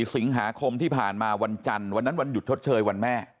สิงหาคมที่ผ่านมาวันจันทร์วันนั้นวันหยุดชดเชยวันแม่